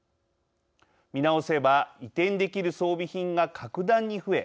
見直せば移転できる装備品が格段に増え